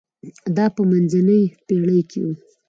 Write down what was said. دا په منځنۍ پېړۍ کې و.